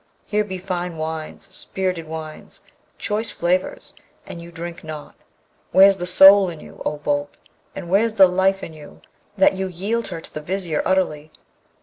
Here be fine wines, spirited wines! choice flavours! and you drink not! Where's the soul in you, O Boolp, and where's the life in you, that you yield her to the Vizier utterly?